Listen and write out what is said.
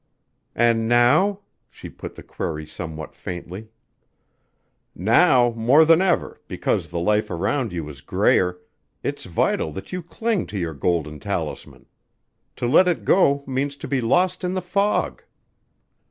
"And now?" She put the query somewhat faintly. "Now, more than ever, because the life around you is grayer, it's vital that you cling to your golden talisman. To let it go means to be lost in the fog."